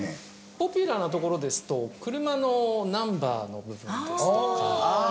ポピュラーなところですと車のナンバーの部分ですとか。